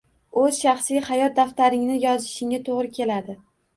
O‘z shaxsiy hayot daftaringni yozishingga to‘g‘ri keladi